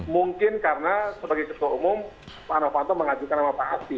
mungkin karena sebagai ketua umum pak novanto mengajukan nama pak hasti